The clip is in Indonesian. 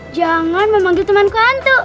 jangan memanggil temanku hantu